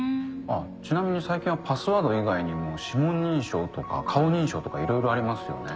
ちなみに最近はパスワード以外にも指紋認証とか顔認証とかいろいろありますよね。